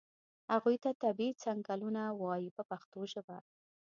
هغو ته طبیعي څنګلونه وایي په پښتو ژبه.